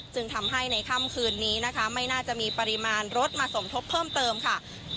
จึงทำให้ในค่ำคืนนี้นะคะไม่น่าจะมีปริมาณรถมาสมทบเพิ่มเติมค่ะ